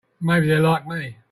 Maybe they're like me.